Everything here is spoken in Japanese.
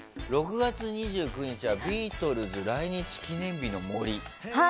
６月２９日はビートルズ来日記念日の森。